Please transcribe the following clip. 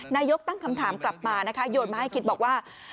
นายกตั้งคำถามกลับมานะคะโยนมาให้คิดบอกว่า